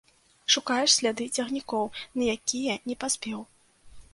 Шукаеш сляды цягнікоў, на якія не паспеў.